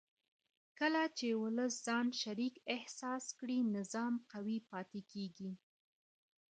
کله چې ولس ځان شریک احساس کړي نظام قوي پاتې کېږي